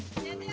ya tuhan ya